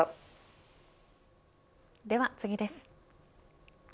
では、次です。